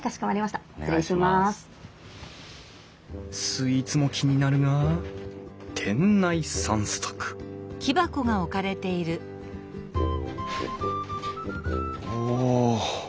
スイーツも気になるが店内散策お！